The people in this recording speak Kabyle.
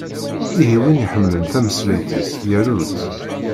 Ihi, win iḥemmlen tameslayt-is yaru-tt!